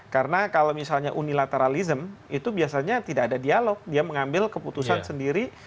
karena kalau misalnya unilateralisme itu biasanya tidak ada dialog dia mengambil keputusan sendiri